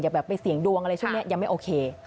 แบบไปเสี่ยงดวงอะไรช่วงนี้ยังไม่โอเค